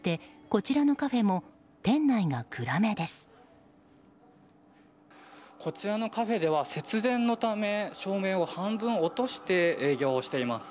こちらのカフェでは節電のため照明を半分落として営業をしています。